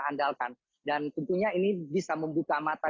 andalkan dan tentunya ini bisa membuka mata